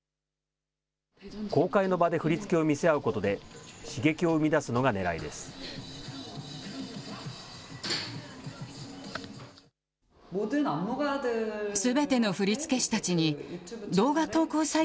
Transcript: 公開の場で振り付けを見せ合うことで、刺激を生み出すのがねらいです。